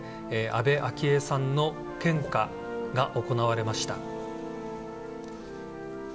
安倍昭恵さんの献花が行われました。